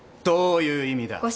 どういう意味だ。